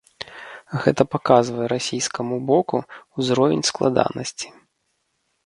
Гэта паказвае расійскаму боку ўзровень складанасці.